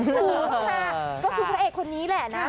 ถือค่ะก็คือพระเอกคนนี้แหละนะ